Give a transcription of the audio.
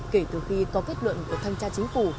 kể từ khi có kết luận của thanh tra chính phủ